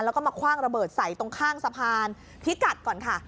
แล้วก็มาคว่างระเบิดใส่ตรงข้างสะพานพิกัดก่อนค่ะ